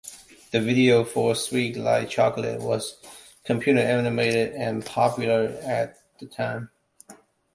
The video for "Sweet Like Chocolate" was computer-animated and popular at the time.